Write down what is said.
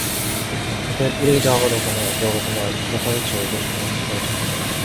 홧김에 때리기는 하고도 그만 억울하고 분하여서 소리쳐 울고 싶은 것을 겨우 참는 모양이다.